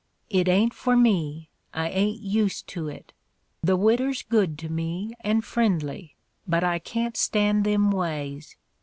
It ain't for me; I ain't used to it. The widder's good to me, and friendly; but I can't stand them ways.